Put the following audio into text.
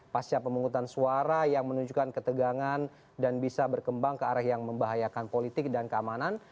pasca pemungutan suara yang menunjukkan ketegangan dan bisa berkembang ke arah yang membahayakan politik dan keamanan